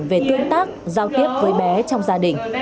về tương tác giao tiếp với bé trong gia đình